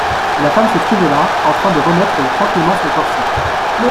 La femme se trouvait là, en train de remettre tranquillement son corset.